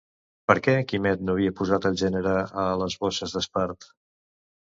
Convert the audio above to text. Per què Quimet no havia posat el gènere a les bosses d'espart?